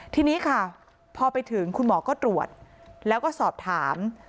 ทีนี้ค่ะพอไปถึงคุณหมอก็ตรวจแล้วก็สอบถาม